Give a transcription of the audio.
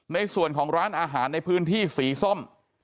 ในส่วนของร้านอาหารในพื้นที่สีส้ม